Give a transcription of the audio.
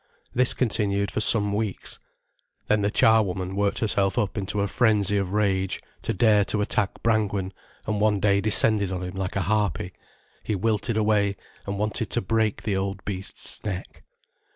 This continued for some weeks. Then the charwoman worked herself up into a frenzy of rage, to dare to attack Brangwen, and one day descended on him like a harpy. He wilted away, and wanted to break the old beast's neck.